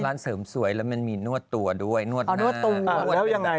ร้านเสริมสวยแล้วมันมีนวดตัวด้วยนวดหน้า